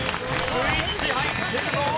スイッチ入ってるぞ！